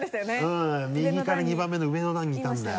うん右から２番目の上の段にいたんだよ。